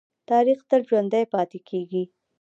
تاریخ تل ژوندی پاتې کېږي.